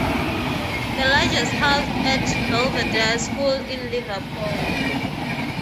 The largest was housed at Belvedere School in Liverpool.